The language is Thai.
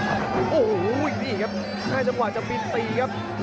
โอ้โหอีกทีครับง่ายจำกว่าจะปีนตีครับ